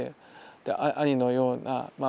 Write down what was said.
で兄のようなまあ